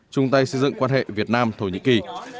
chung tay xây dựng quan hệ việt nam thổ nhĩ kỳ